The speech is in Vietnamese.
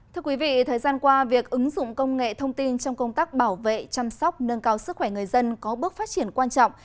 thưa quý vị thời gian qua việc ứng dụng công nghệ thông tin trong công tác bảo vệ chăm sóc nâng cao sức khỏe người dân có bước phát triển quan trọng